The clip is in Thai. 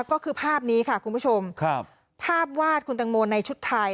ก็คือภาพนี้ค่ะคุณผู้ชมครับภาพวาดคุณตังโมในชุดไทย